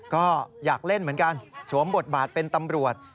ก็อยากเล่นเหมือนกันสวมบทบาทเป็นตำรวจ